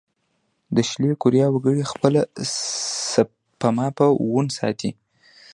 د شلي کوریا وګړي خپله سپما په وون ساتي.